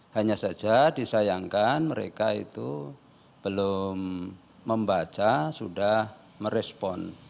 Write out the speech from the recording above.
hanya saja disayangkan mereka itu belum membaca sudah merespon